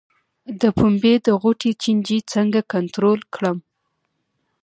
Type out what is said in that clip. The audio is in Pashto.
د پنبې د غوټې چینجی څنګه کنټرول کړم؟